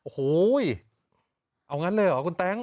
โอ้โหเอางั้นเลยเหรอคุณแต๊ง